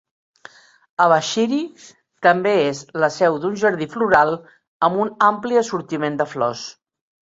Abashiri també és la seu d'un jardí floral amb un ampli assortiment de flors.